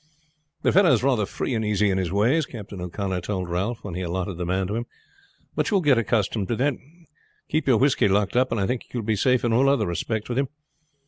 "The fellow is rather free and easy in his ways," Captain O'Connor told Ralph when he allotted the man to him; "but you will get accustomed to that. Keep your whisky locked up, and I think you will be safe in all other respects with him.